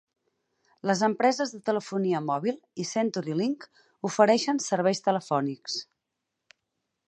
Les empreses de telefonia mòbil i Century Link ofereixen serveis telefònics.